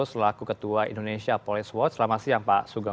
selaku ketua indonesia police watch selamat siang pak sugeng